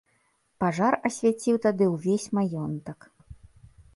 Пажар асвяціў тады ўвесь маёнтак.